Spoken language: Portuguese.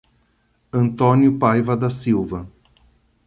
Antônio Paiva da Silva